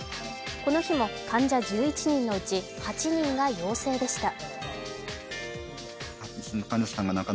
この日も患者１１人のうち８人が陽性でした。